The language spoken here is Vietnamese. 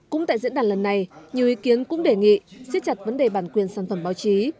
cũng tại diễn đàn lần này nhiều ý kiến cũng đề nghị siết chặt vấn đề bản quyền sản phẩm báo chí